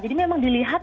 jadi memang dilihat